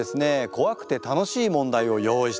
怖くて楽しい問題を用意してあります。